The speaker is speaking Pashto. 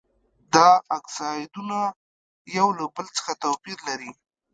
دا اکسایدونه یو له بل څخه توپیر لري.